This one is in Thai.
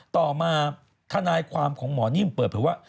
ต่อมาทะนายความของหมอนี่เปิดผิดว่า